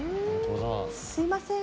すいません。